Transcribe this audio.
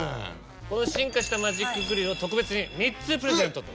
この進化したマジックグリルを特別に３つプレゼントと。